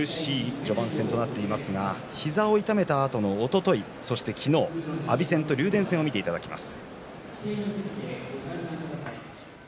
苦しい序盤戦となっていますが膝を痛めたあとの、おとといそして昨日の阿炎戦、竜電戦を見ていただきます。